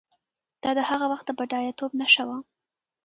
دا د هغه وخت د بډایه توب نښه وه.